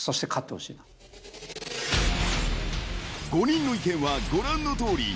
［５人の意見はご覧のとおり］